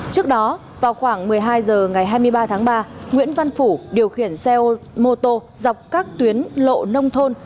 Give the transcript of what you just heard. trước đó vào khoảng một mươi hai h ngày hai mươi ba tháng ba nguyễn văn phủ điều khiển xe mô tô dọc các tuyến lộ nông thôn